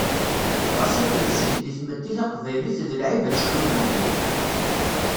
Ɣas akken zik, deg tmetti taqbaylit d lɛib ad tecnu tameṭṭut.